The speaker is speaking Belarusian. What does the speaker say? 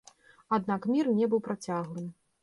Аднак мір не быў працяглым.